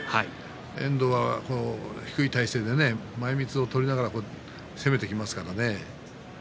遠藤は低い体勢で前みつを取りながら攻めていきますからね。